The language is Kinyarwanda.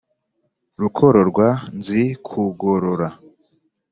rukoro rwa nzikugorora.